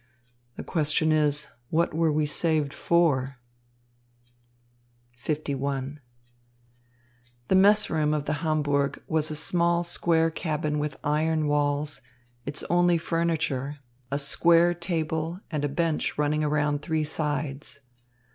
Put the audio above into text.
The question is, What were we saved for?" LI The mess room of the Hamburg was a small square cabin with iron walls, its only furniture a square table and a bench running around three sides.